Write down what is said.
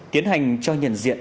tiến hành cho nhận diện